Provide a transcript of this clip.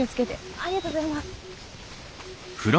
ありがとうございます。